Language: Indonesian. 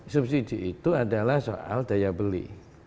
subsidi itu adalah soal daya beli